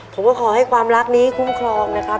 ขอให้ความรักนี้คุ้มครองนะครับ